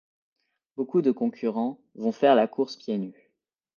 Beaucoup de concurrents vont faire la course pieds nus.